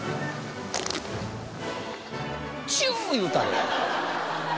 チュー言うたで。